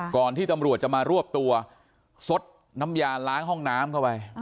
ก่อนที่ตำรวจจะมารวบตัวซดน้ำยาล้างห้องน้ำเข้าไป